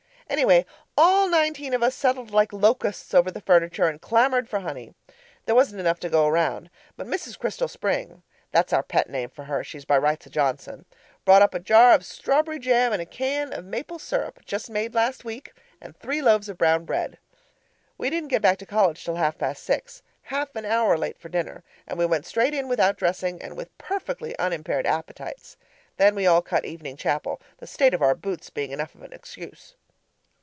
Anyway, all nineteen of us settled like locusts over the furniture and clamoured for honey. There wasn't enough to go round, but Mrs. Crystal Spring (that's our pet name for her; she's by rights a Johnson) brought up a jar of strawberry jam and a can of maple syrup just made last week and three loaves of brown bread. We didn't get back to college till half past six half an hour late for dinner and we went straight in without dressing, and with perfectly unimpaired appetites! Then we all cut evening chapel, the state of our boots being enough of an excuse.